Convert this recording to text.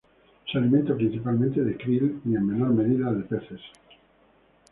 Se alimentan principalmente de kril y en menor medida de peces.